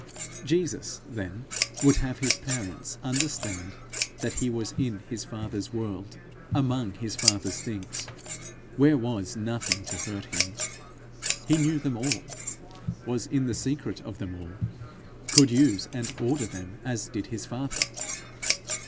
Jesus, then, would have his parents understand that he was in his father's world among his father's things, where was nothing to hurt him; he knew them all, was in the secret of them all, could use and order them as did his father.